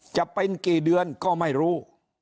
จะเป็นกี่เดือนก็ไม่รู้